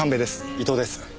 伊藤です。